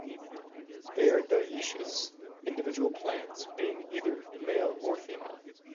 They are dioecious, individual plants being either male or female.